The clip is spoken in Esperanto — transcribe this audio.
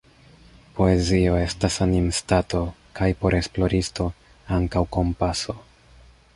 Poezio estas animstato – kaj, por esploristo, ankaŭ kompaso.